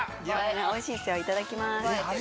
おいしいですよいただきます。